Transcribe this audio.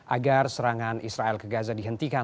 agar serangan israel ke gaza dihentikan